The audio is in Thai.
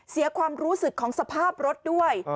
เสียความรู้สึกของสภาพรถด้วย